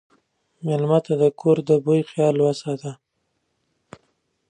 مېلمه ته د کور د بوي خیال وساته.